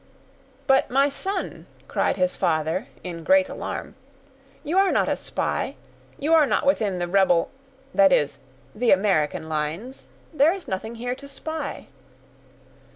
"But my son," cried his father, in great alarm, "you are not a spy; you are not within the rebel—that is, the American lines; there is nothing here to spy."